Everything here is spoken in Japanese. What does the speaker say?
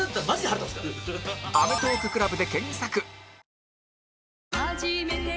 「アメトーーク ＣＬＵＢ」で検索